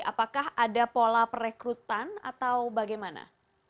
apakah ada pola perekrutan atau bagaimana